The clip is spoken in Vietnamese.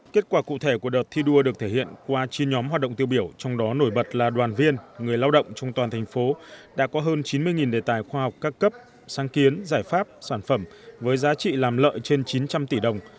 kết quả cụ thể của đợt thi đua được thể hiện qua chi nhóm hoạt động tiêu biểu trong đó nổi bật là đoàn viên người lao động trong toàn thành phố đã có hơn chín mươi đề tài khoa học các cấp sáng kiến giải pháp sản phẩm với giá trị làm lợi trên chín trăm linh tỷ đồng